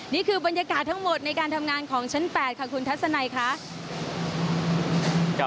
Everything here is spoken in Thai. นี่คือบรรยากาศทั้งหมดในการทำงานของชั้น๘ค่ะคุณทัศนัยค่ะ